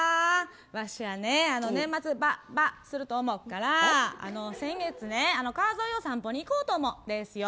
わしはね、年末すると思うから先月、川沿いを散歩に行こう思ったんですよ。